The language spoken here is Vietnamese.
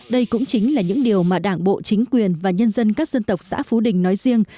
đây cũng chính là những điều mà đảng bộ chính quyền và nhân dân các dân tộc xã phú đình nói riêng